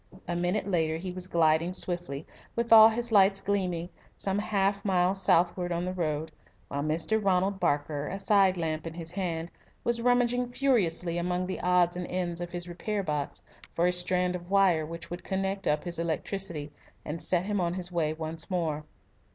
A minute later he was gliding swiftly, with all his lights' gleaming, some half mile southward on the road, while Mr. Ronald Barker, a side lamp in his hand, was rummaging furiously among the odds and ends of his repair box for a strand of wire which would connect up his electricity and set him on his way once more.